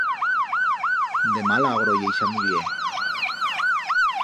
De mal agro ye ixa muller.